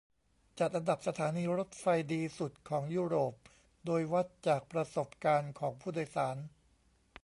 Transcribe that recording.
จัดอันดับสถานีรถไฟดีสุดของยุโรป โดยวัดจากประสบการณ์ของผู้โดยสาร